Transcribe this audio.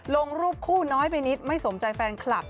ลงรูปคู่น้อยไปนิดไม่สมใจแฟนคลับ